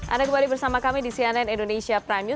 anda kembali bersama kami di cnn indonesia prime news